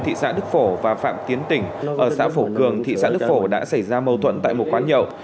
thị xã đức phổ và phạm tiến tỉnh ở xã phổ cường thị xã đức phổ đã xảy ra mâu thuẫn tại một quán nhậu